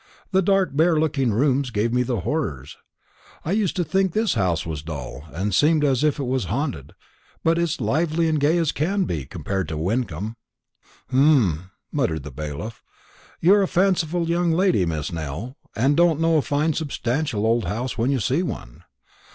The dark bare looking rooms gave me the horrors. I used to think this house was dull, and seemed as if it was haunted; but it's lively and gay as can be, compared to Wyncomb." "Humph!" muttered the bailiff. "You're a fanciful young lady, Miss Nell, and don't know a fine substantial old house when you see one.